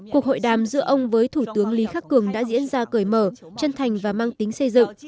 cuộc hội đàm giữa ông với thủ tướng lý khắc cường đã diễn ra cởi mở chân thành và mang tính xây dựng